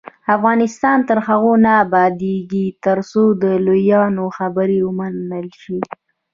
افغانستان تر هغو نه ابادیږي، ترڅو د لویانو خبره ومنل شي.